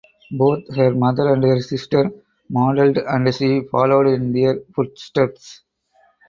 Both her mother and her sister modeled and she followed in their footsteps.